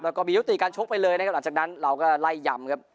แล้วก็มียุติการชกไปเลยนะครับหลังจากนั้นเราก็ไล่ยำครับ